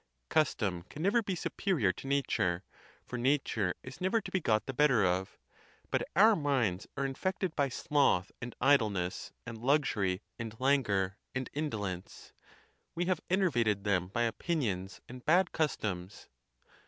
Custom can never be superior to nature, for nature is never to be got the better of. But our minds are infected by sloth and idleness, and luxury, and languor, | and indolence: we have enervated them by opinions and _bad customs.